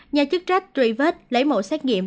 nhà chức trách truy vết lấy mẫu xét nghiệm